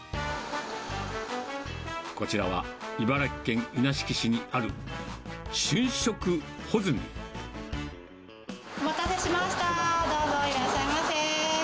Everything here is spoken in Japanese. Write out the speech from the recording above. こちらは、茨城県稲敷市にある、お待たせしました、どうぞ、いらっしゃいませ。